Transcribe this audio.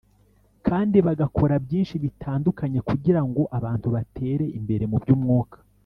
kandi bagakora byinshi bitandukanye kugira ngo abantu batere imbere mu by’umwuka